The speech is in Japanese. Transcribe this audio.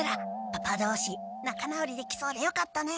パパどうしなか直りできそうでよかったね。